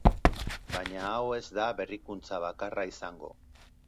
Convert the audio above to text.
Baina hau ez da berrikuntza bakarra izango.